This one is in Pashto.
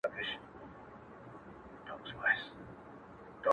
دې وې درد څۀ وي خفګان څۀ ته وایي,